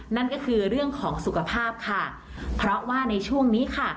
นั่นก็คือเรื่องของสุขภาพค่ะเพราะว่าในช่วงนี้ค่ะ